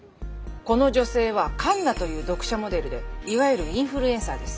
この女性はＫＡＮＮＡという読者モデルでいわゆるインフルエンサーです。